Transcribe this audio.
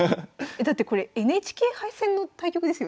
だってこれＮＨＫ杯戦の対局ですよね？